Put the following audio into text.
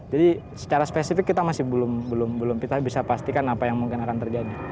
secara spesifik kita masih belum kita bisa pastikan apa yang mungkin akan terjadi